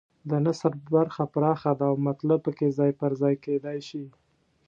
د نثر برخه پراخه ده او مطلب پکې ځای پر ځای کېدای شي.